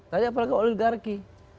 tadi apalagi oligarki